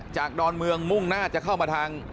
ดอนเมืองมุ่งหน้าจะเข้ามาทาง